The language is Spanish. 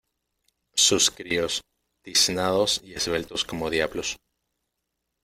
sus críos, tiznados y esbeltos como diablos ,